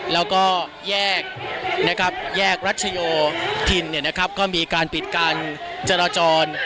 แล้วก็แยกรัสโชยัากาศการจราจร